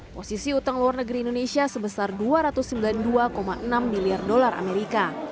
posisi utang luar negeri indonesia sebesar dua ratus sembilan puluh dua enam miliar dolar amerika